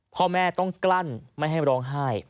พ่อแม่ต้องกลั้นไม่ให้ร้องไห้